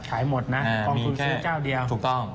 ขายหมดนะกองทุนซื้อเจ้าเดียวถูกต้อง